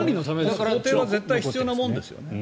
だから公邸は必要なものですよね。